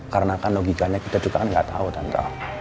karena kan logikanya kita juga kan gak tau tante